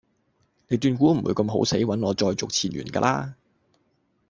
你斷估唔會咁好死搵我再續前緣架喇?